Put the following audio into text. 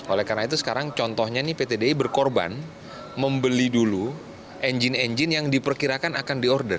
oleh karena itu sekarang contohnya pt di berkorban membeli dulu enjin enjin yang diperkirakan akan diorder